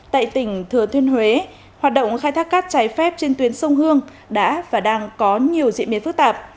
tại tỉnh thừa thiên huế hoạt động khai thác cát trái phép trên tuyến sông hương đã và đang có nhiều diễn biến phức tạp